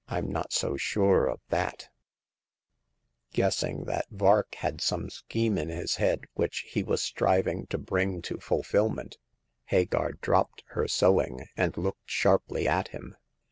Vm not so sure of that !" Guessing that Vark had some scheme in his head which he was striving to bring to fulfil ment, Hagar dropped her sewing, and looked sharply at him.